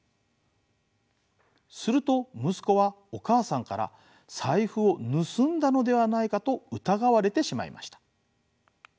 すると息子はお母さんから財布を盗んだのではないかと疑われてしまいました。